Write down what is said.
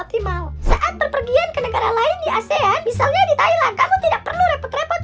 saat berpergian ke negara lain di asean misalnya di thailand karena tidak perlu repot repot